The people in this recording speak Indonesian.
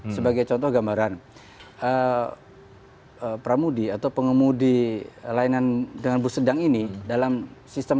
sebagai contoh gambaran pramudi atau pengemudi layanan dengan bus sedang ini dalam sistem